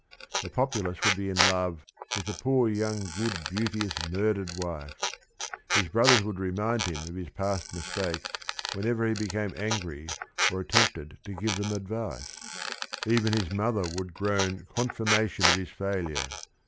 The populace would be in love with the "poor young good beauteous murdered wife." His brothers would remind him of his past mistake whenever he be came angry or attempted to give them advice; even his mother would groan confirmation of his failure.